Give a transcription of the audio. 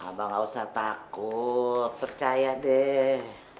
abang gak usah takut percaya deh